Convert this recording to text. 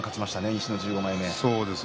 西の１５枚目。